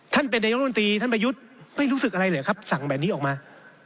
ท่านเป็นนายราชบัญษีท่านเป็นญุรประยุทธน์ไม่รู้สึกอะไรเหรอครับสั่งแบบนี้ออกมา